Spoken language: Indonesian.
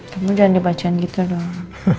kamu jangan dibacaan gitu dong